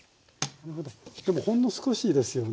でもほんの少しですよね。